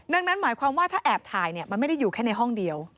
ดังนั้นหมายความว่าถ้าแอบถ่ายมันไม่ได้อยู่แค่ในห้องเดียว